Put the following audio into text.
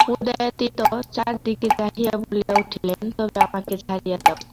উদয়াদিত্য চারিদিকে চাহিয়া বলিয়া উঠিলেন, তবে আমাকে ছাড়িয়া দাও।